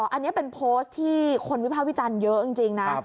อันนี้เป็นโพสต์ที่คนวิภาควิจารณ์เยอะจริงนะ